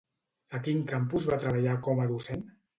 A quin campus va treballar com a docent?